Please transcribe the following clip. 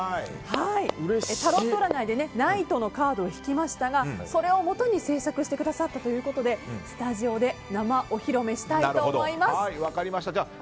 タロット占いでナイトのカードを引きましたがそれをもとに制作してくださったということでスタジオで生お披露目したいと思います。